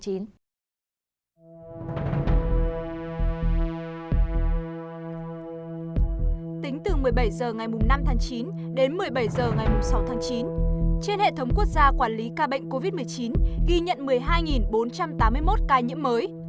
tính từ một mươi bảy h ngày năm tháng chín đến một mươi bảy h ngày sáu tháng chín trên hệ thống quốc gia quản lý ca bệnh covid một mươi chín ghi nhận một mươi hai bốn trăm tám mươi một ca nhiễm mới